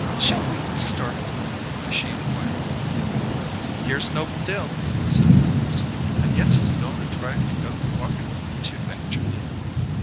"Shall we be starting?" she inquired. "Here's Noble Dill," said Florence, "I guess he's goin' to try to go walkin' with you, too, Aunt Julia."